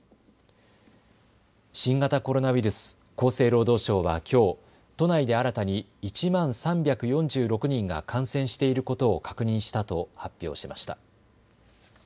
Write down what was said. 新型コロナウイルス、厚生労働省はきょう都内で新たに１万３４６人が感染していることを確認したと発表しました。